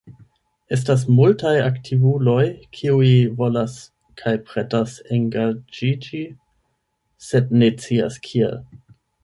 Estas multaj aktivuloj kiuj volas kaj pretas engaĝiĝi sed ne scias kiel.